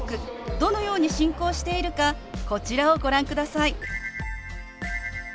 どのように進行しているかこちらをご覧ください。